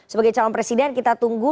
sebagai calon presiden kita tunggu